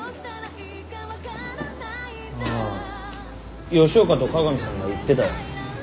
あ吉岡と加賀美さんが言ってたよ。